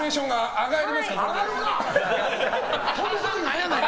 上がるか！